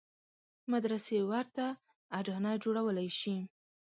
مدرسې ورته اډانه جوړولای شي.